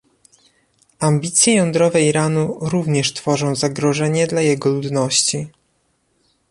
Ambicje jądrowe Iranu również tworzą zagrożenie dla jego ludności